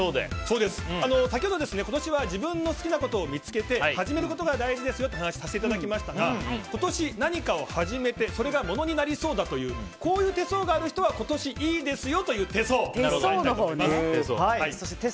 先ほど今年は自分の好きなことを見つけて始めることが大事ですよという話をさせていただきましたが今年、何かを始めてそれがものになりそうだとこういう手相がある人は今年いいですよという手相。